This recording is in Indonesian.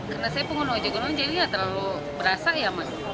karena saya pengguna ojek online jadi tidak terlalu berasa ya mas